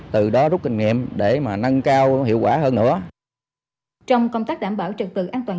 trong công tác đảm bảo trật tự an toàn